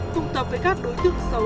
tụng tập với các đối tượng xấu